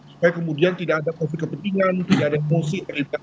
supaya kemudian tidak ada konflik kepentingan tidak ada emosi